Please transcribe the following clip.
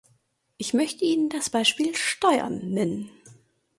Ich möchte Ihnen das Beispiel Steuern nennen.